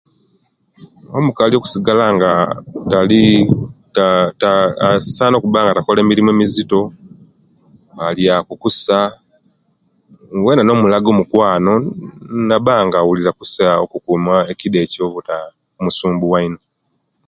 Omukali kusigala nga tali aah asaana kubanga takola mirimo emizito alyaku kusa weena nomulaga mukwano naba nga'wulira kusa okukuuma ekida kyo obuta musumbuwa ino